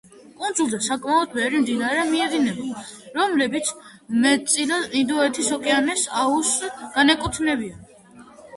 კუნძულზე საკმაოდ ბევრი მდინარე მიედინება, რომლებიც მეტწილად ინდოეთის ოკეანის აუზს განეკუთვნებიან.